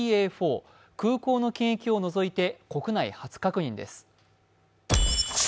空港の検疫を除いて国内初確認です。